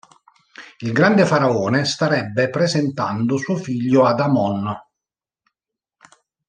Il grande faraone starebbe presentando suo figlio ad Amon.